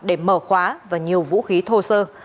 để mở khóa và nhiều vũ khí thô sơ